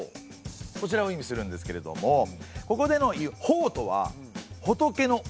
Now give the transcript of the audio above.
こちらを意味するんですけれどもここでの「法」とは仏の教えという意味ですね。